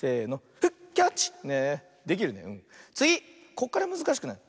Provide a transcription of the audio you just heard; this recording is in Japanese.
こっからむずかしくなる。